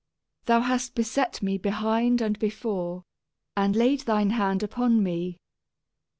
Thou hast beset me behind and before, and laid thy hand upon me.